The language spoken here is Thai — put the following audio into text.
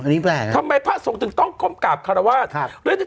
อันนี้แปลงทำไมภ่ะสงฆ์ถึงต้องก้มกาบคาราวาดครับเรื่อง